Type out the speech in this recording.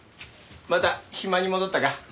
また暇に戻ったか？